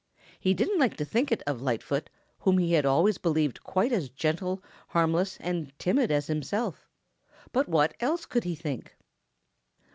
He didn't like to think it of Lightfoot, whom he always had believed quite as gentle, harmless, and timid as himself. But what else could he think?